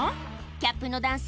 キャップの男性